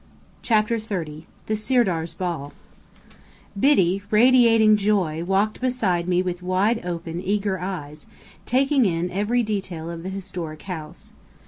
CHAPTER XXX THE SIRDAR'S BALL Biddy, radiating joy, walked beside me with wide open, eager eyes, taking in every detail of the historic house.